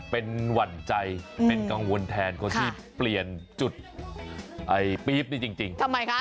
เป็นหวั่นใจเป็นกังวลแทนคนที่เปลี่ยนจุดไอ้ปี๊บนี่จริงทำไมคะ